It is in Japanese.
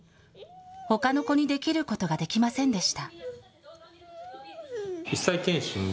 ほかの子にできることができませんでした。